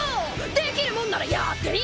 できるもんならやってみぃ！